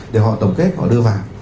để họ tổng kết họ đưa vào